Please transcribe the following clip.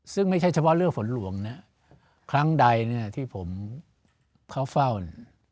ซึ่งไม่ใช่เฉพาะเรื่องฝนหลวงครั้งใดที่ผมเข้าฟ่าวน